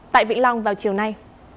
tại vĩnh long vào chiều nay